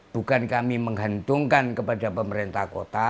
bukan kami menghantungkan kepada pemerintah kota